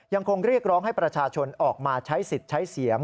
ยังคงเรียกร้องให้ประชาชนออกมาใช้สิทธิ์ใช้เสียง